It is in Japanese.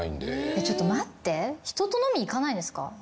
ちょっと待って人と飲みに行かないんですか？